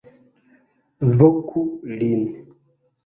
Voku lin!